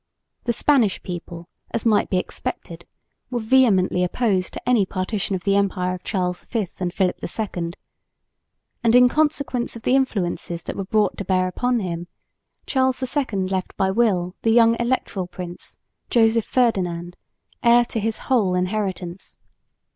The Spanish people, as might be expected, were vehemently opposed to any partition of the empire of Charles V and Philip II; and, in consequence of the influences that were brought to bear upon him, Charles II left by will the young electoral prince, Joseph Ferdinand, heir to his whole inheritance.